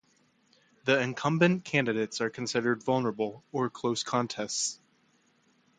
The incumbent candidates are considered vulnerable or close contests.